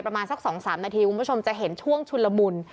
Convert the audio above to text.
ประมาณสัก๒๓นาทีคุณผู้ชมจะเห็นช่วงชุนละมุน